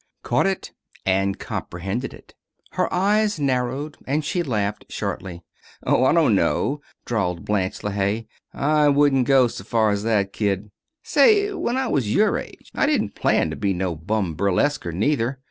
Caught it, and comprehended it. Her eyes narrowed, and she laughed shortly. "Oh, I dunno," drawled Blanche LeHaye. "I wouldn't go's far's that, kid. Say, when I was your age I didn't plan to be no bum burlesquer neither.